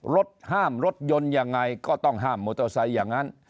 รถห้ามรถยนต์ยังไงก็ต้องห้ามมอเตอร์ไซค์อย่างนั้น